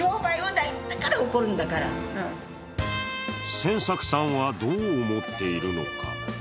仙作さんはどう思っているのか。